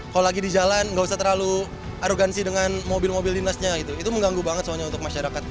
kalau lagi di jalan nggak usah terlalu arogansi dengan mobil mobil dinasnya gitu itu mengganggu banget soalnya untuk masyarakat